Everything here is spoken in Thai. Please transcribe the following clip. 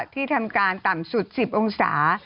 ที่ทำการต่ำสุด๑๐องศา